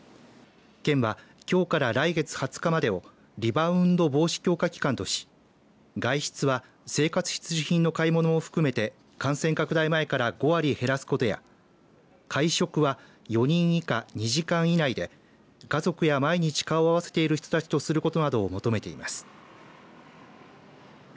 県はきょうから来月２０日までをリバウンド防止強化期間とし外出は生活必需品の買い物を含めて感染拡大前から５割減らすことや会食は４人以下２時間以内で家族や毎日顔を合わせている人たちとすることなどを求めています。